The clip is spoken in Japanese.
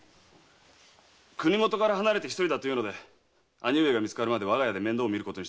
国元から離れて一人だというので兄上が見つかるまでわが家で面倒を見ることにしたのです。